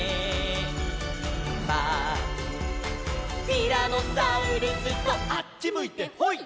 「ティラノサウルスとあっちむいてホイ！？」